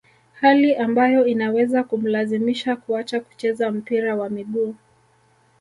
hali ambayo inaweza kumlazimisha kuacha kucheza mpira wa miguu